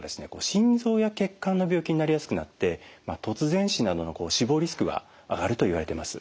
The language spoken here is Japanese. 心臓や血管の病気になりやすくなって突然死などの死亡リスクが上がるといわれてます。